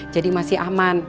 jadi masih aman